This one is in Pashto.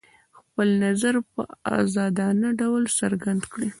خپل نظر په ازادانه ډول څرګند کړي.